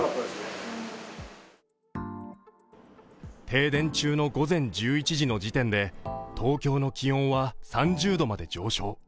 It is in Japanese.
停電中の午前１１時の時点で東京の気温は３０度まで上昇。